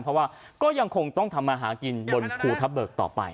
เพราะว่าก็ยังคงต้องทำมาหากินบนภูทับเบิกต่อไป